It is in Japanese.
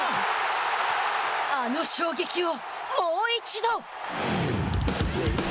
あの衝撃をもう一度！